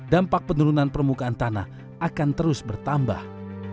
dampak penurunan permukaan tanah akan terus bertambah